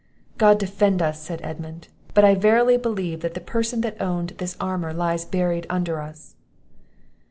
"God defend us!" said Edmund, "but I verily believe that the person that owned this armour lies buried under us."